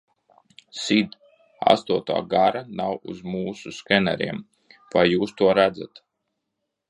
Sid, astotā gara nav uz mūsu skeneriem, vai jūs to redzat?